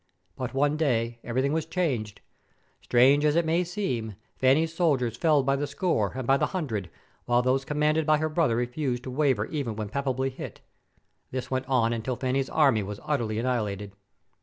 But one day everything was changed. Strange as it may seem, Fanny's soldiers fell by the score and by the hundred, while those commanded by her brother refused to waver even when palpably hit. This went on until Fanny's army was utterly annihilated.